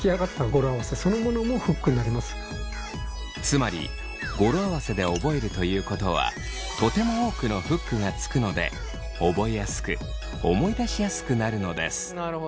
つまり語呂合わせで覚えるということはとても多くのフックがつくので覚えやすく思い出しやすくなるのです。